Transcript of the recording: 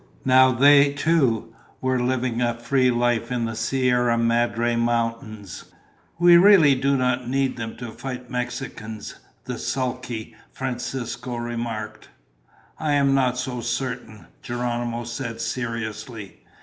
Now they, too, were living a free life in the Sierra Madre Mountains. "We did not really need them to fight Mexicans," the sulky Francisco remarked. "I am not so certain," Geronimo said seriously.